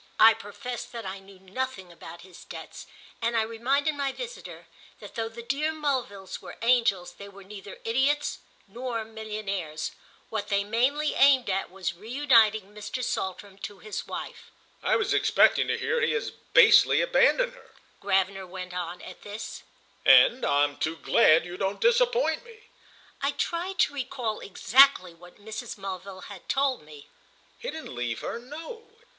I professed that I knew nothing about his debts, and I reminded my visitor that though the dear Mulvilles were angels they were neither idiots nor millionaires. What they mainly aimed at was reuniting Mr. Saltram to his wife. "I was expecting to hear he has basely abandoned her," Gravener went on, at this, "and I'm too glad you don't disappoint me." I tried to recall exactly what Mrs. Mulville had told me. "He didn't leave her—no.